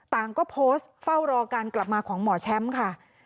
ต่างก็โพสต์เฝ้ารอการกลับมาของหมอแชมป์ค่ะ